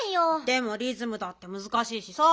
でもリズムだってむずかしいしさ。